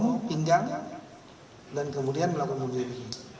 dilengkapi dengan bom pinggang dan kemudian melakukan bom bunuh diri